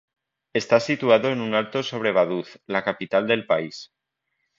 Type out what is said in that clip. Está situado en un alto sobre Vaduz, la capital del país.